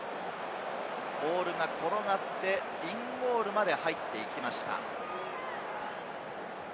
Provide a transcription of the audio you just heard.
ボールが転がってインゴールまで入っていきました。